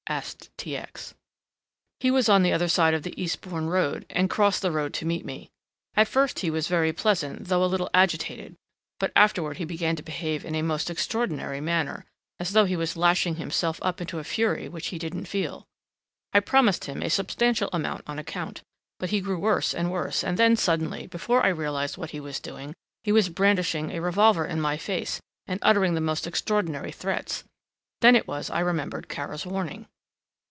asked T. X. "He was on the other side of the Eastbourne Road and crossed the road to meet me. At first he was very pleasant though a little agitated but afterward he began to behave in a most extraordinary manner as though he was lashing himself up into a fury which he didn't feel. I promised him a substantial amount on account, but he grew worse and worse and then, suddenly, before I realised what he was doing, he was brandishing a revolver in my face and uttering the most extraordinary threats. Then it was I remembered Kara's warning."